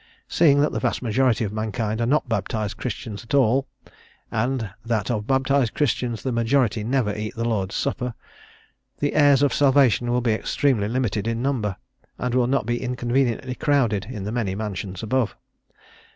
Seeing that the vast majority of mankind are not baptized Christians at all, and that of baptized Christians the majority never eat the Lord's supper, the heirs of salvation will be extremely limited in number, and will not be inconveniently crowded in the many mansions above.